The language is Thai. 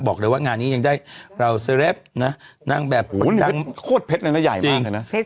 บอกเลยว่างานนี้ยังได้เราเสร็ปนะนั่งแบบโอ้โหโคตรเพชรนั้นนะใหญ่มากเลยนะ